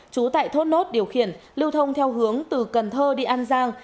trú tại thốt nốt điều khiển lưu thông theo hướng từ cần thơ đi an giang